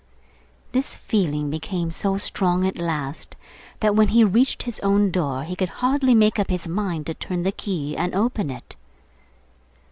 This feeling became so strong at last, that when he reached his own door, he could hardly make up his mind to turn the key and open it.